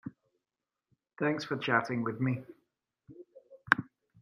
Thanks for chatting with me.